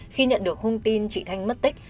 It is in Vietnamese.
khi nhận được thông tin chị thanh mất tích